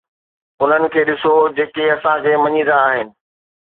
انهن کي ڏسو جيڪي اسان کي مڃيندا آهن